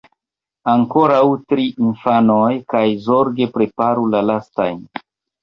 Ankoraŭ tri, infanoj; kaj zorge preparu la lastajn.